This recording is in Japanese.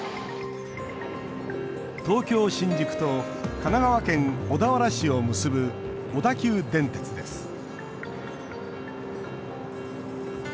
東京・新宿と神奈川県小田原市を結ぶ小田急電鉄です